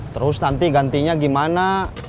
terus nanti gantinya gimana